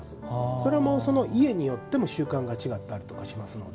それもその家によっても習慣が違ったりとかしますので。